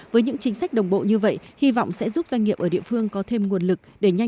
với những chính sách đồng bộ như vậy hy vọng sẽ giúp doanh nghiệp ở địa phương có thêm nguồn lực